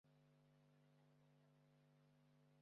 haumunsibiyemo umunsibaha uburenganzira bwa muntu,